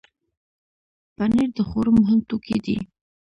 پنېر د خوړو مهم توکی دی.